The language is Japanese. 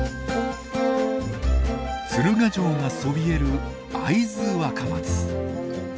鶴ヶ城がそびえる会津若松。